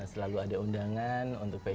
selalu ada undangan untuk fashion week